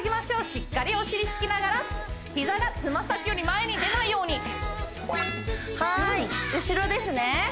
しっかりお尻引きながら膝がつま先より前に出ないようにはーい後ろですね